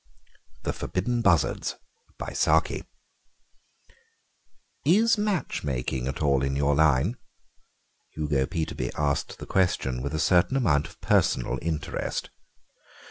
THE FORBIDDEN BUZZARDS "Is matchmaking at all in your line?" Hugo Peterby asked the question with a certain amount of personal interest.